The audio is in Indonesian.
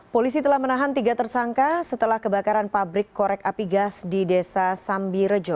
polisi telah menahan tiga tersangka setelah kebakaran pabrik korek api gas di desa sambirejo